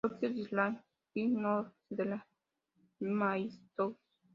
Tokyo Disneyland: Mickey no Cinderella Shiro Mystery Tour